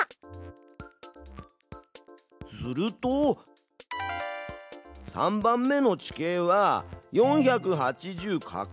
すると３番目の地形は４８０かける２。